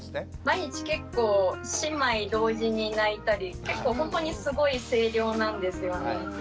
毎日結構姉妹同時に泣いたり結構ほんとにすごい声量なんですよね。